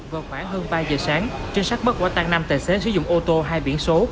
vào khoảng hơn ba giờ sáng trinh sát bắt quả tăng năm tài xế sử dụng ô tô hai biển số